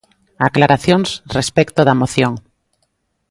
Aclaracións respecto da moción.